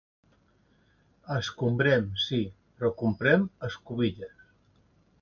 Escombrem, sí, però comprem “escobilles”.